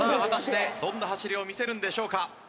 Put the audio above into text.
果たしてどんな走りを見せるんでしょうか。